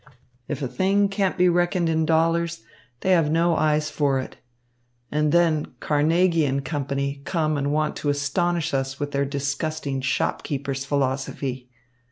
If a thing can't be reckoned in dollars, they have no eyes for it. And then Carnegie and Company come and want to astonish us with their disgusting shopkeeper's philosophy.